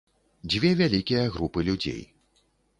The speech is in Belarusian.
Дзве вялікія групы людзей.